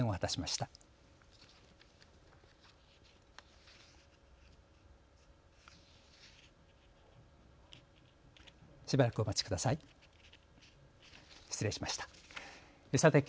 しばらくお待ちください。